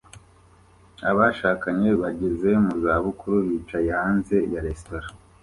Abashakanye bageze mu zabukuru bicaye hanze ya resitora